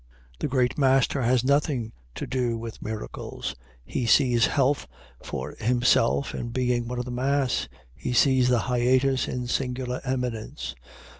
The great master has nothing to do with miracles. He sees health for himself in being one of the mass he sees the hiatus in singular eminence.